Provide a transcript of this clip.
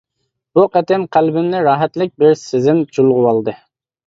بۇ قېتىم قەلبىمنى راھەتلىك بىر سېزىم چۇلغىۋالدى.